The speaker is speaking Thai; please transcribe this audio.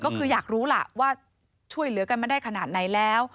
ก็คืออยากรู้ล่ะว่าช่วยเหลือกันมาได้ขนาดไหนแล้ว